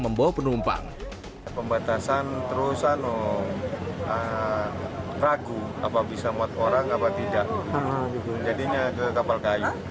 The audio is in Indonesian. membawa penumpang pembatasan terus ragu apa bisa buat orang apa tidak jadinya ke kapal kayu